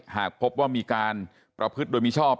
หากพบว่ามีการประพฤติโดยมิชอบ